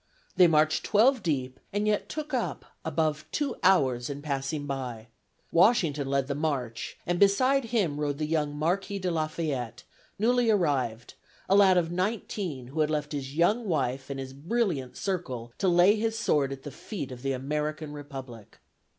"They marched twelve deep, and yet took up above two hours in passing by." Washington led the march, and beside him rode the young Marquis de Lafayette, newly arrived; a lad of nineteen, who had left his young wife and his brilliant circle, to lay his sword at the feet of the American Republic.